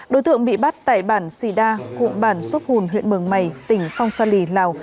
đối tượng bị bắt tại bản sida hụm bản xốp hùn huyện mường mày tỉnh phong sa lì lào